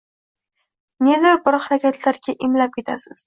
Nedir bir harakatlarga imlab ketasiz